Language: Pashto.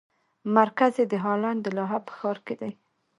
مرکز یې د هالنډ د لاهه په ښار کې دی.